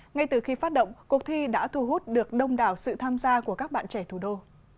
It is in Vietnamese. ngay từ khi phát động cuộc thi đã thu hút được đông đảo sự tham gia của các bạn trẻ thủ đô